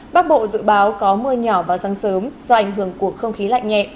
bắc bộ dự báo có mưa nhỏ vào sáng sớm do ảnh hưởng của không khí lạnh nhẹ